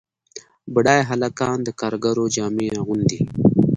بډایه هلکان د کارګرو جامې اغوندي.